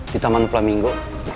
di taman flamingo